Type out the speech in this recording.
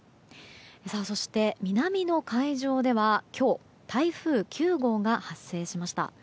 そして、南の海上では今日、台風９号が発生しました。